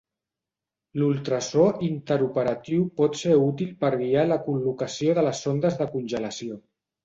L'ultrasò interoperatiu pot ser útil per guiar la col·locació de les sondes de congelació.